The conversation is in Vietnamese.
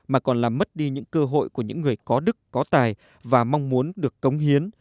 mà còn làm mất đi những cơ hội của những người có đức có tài và mong muốn được cống hiến